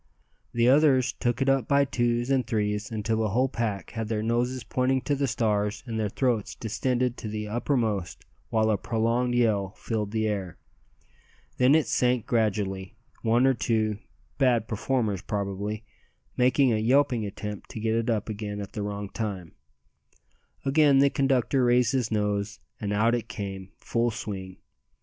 The others took it up by twos and threes, until the whole pack had their noses pointing to the stars and their throats distended to the uttermost, while a prolonged yell filled the air. Then it sank gradually, one or two (bad performers probably) making a yelping attempt to get it up again at the wrong time. Again the conductor raised his nose, and out it came full swing.